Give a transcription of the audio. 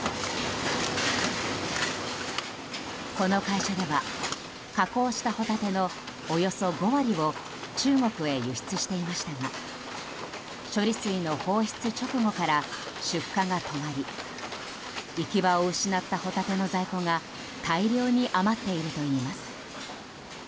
この会社では加工したホタテのおよそ５割を中国へ輸出していましたが処理水の放出直後から出荷が止まり行き場を失ったホタテの在庫が大量に余っているといいます。